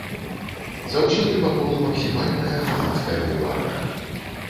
Заўсёды вакол максімальная грамадская ўвага.